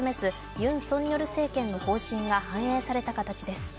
現政権の方針が反映された形です。